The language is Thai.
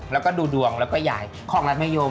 แล้วก็ดูดวงแล้วก็ยายคอกรัฐมยม